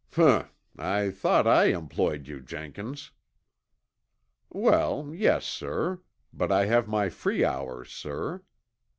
"Humph. I thought I employed you, Jenkins." "Well, yes, sir. But I have my free hours, sir."